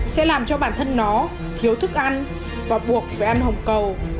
sẽ làm cho bản thân nó thiếu thức ăn và buộc phải ăn hồng cầu